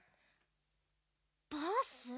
バース？